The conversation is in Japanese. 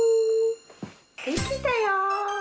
できたよ。